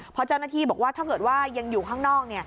เพราะเจ้าหน้าที่บอกว่าถ้าเกิดว่ายังอยู่ข้างนอก